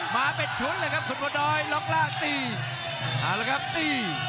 มาเป็นชุดเลยครับคุณบัวน้อยล็อกล่างตีเอาละครับตี